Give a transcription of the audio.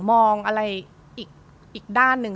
มองอะไรอีกด้านหนึ่ง